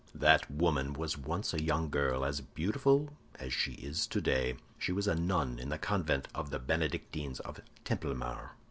"That woman was once a young girl, as beautiful as she is today. She was a nun in the convent of the Benedictines of Templemar.